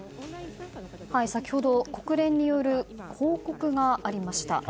先ほど、国連による報告がありました。